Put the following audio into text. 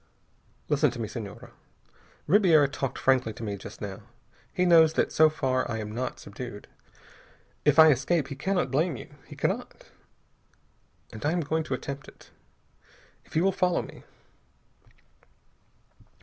"Listen to me, Senhora. Ribiera talked frankly to me just now. He knows that so far I am not subdued. If I escape he cannot blame you. He cannot! And I am going to attempt it. If you will follow me...."